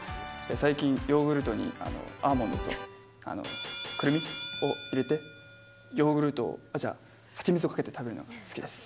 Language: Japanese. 最近、ヨーグルトに、アーモンドとクルミを入れて、ヨーグルトに蜂蜜をかけて食べるのが好きです。